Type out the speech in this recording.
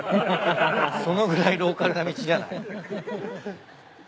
そのぐらいローカルな道じゃない？